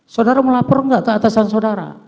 saudara melapor nggak ke atasan saudara